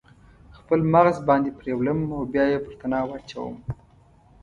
خپل مغز باندې پریولم او بیا یې پر تناو اچوم